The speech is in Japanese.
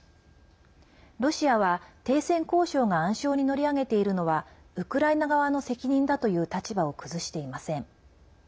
ロシアは、停戦交渉が暗礁に乗り上げているのはウクライナ側の責任だという立場を崩していません。